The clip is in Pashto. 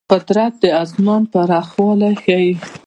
قدرت د آسمان پراخوالی ښيي.